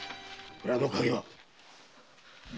蔵の鍵は？